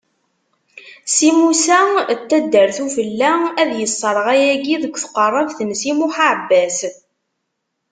Si Musa n taddart ufella, ad isserɣ ayagi deg tqeṛṛabt n Si Muḥ Aɛebbas.